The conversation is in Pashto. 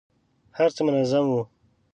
هر څه منظم وو.